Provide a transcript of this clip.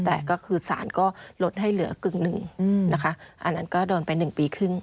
แต่ก็คือสารก็ลดให้เหลือกึ่งหนึ่งนะคะอันนั้นก็โดนไป๑ปีครึ่ง